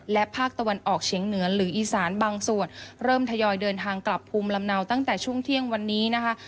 และภาคตะวันออกเฉียงเหนือหรืออีสานบางส่วนเริ่มทยอยเดินทางกลับภูมิลำเนาตั้งแต่ช่วงเที่ยงวันนี้นะคะ